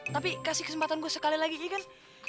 tapi kasih kesempatan gue sekali lagi kan